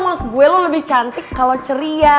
mas gue lo lebih cantik kalau ceria